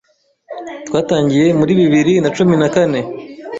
Twatangiye muri bibiri na cumi na kane